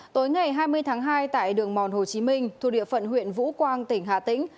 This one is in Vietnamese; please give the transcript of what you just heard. tối ngày hai mươi tháng hai tại đường mòn hồ chí minh thuộc địa phận huyện vũ quang tỉnh hà tĩnh